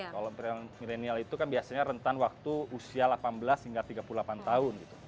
kalau milenial itu kan biasanya rentan waktu usia delapan belas hingga tiga puluh delapan tahun